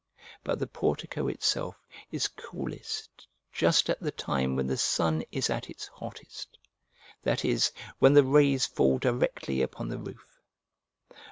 But the portico itself is coolest just at the time when the sun is at its hottest, that is, when the rays fall directly upon the roof.